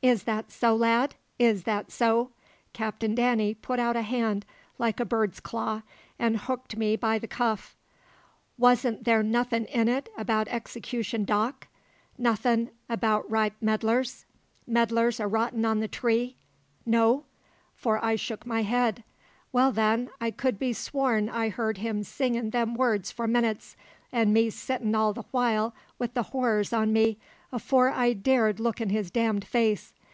"Is that so, lad is that so?" Captain Danny put out a hand like a bird's claw and hooked me by the cuff. "Wasn' there nothing in it about Execution Dock; nothing about ripe medlars 'medlars a rottin' on the tree'? No?" for I shook my head. "Well, then, I could be sworn I heard him singin' them words for minutes, an' me sittin' all the while wi' the horrors on me afore I dared look in his damned face.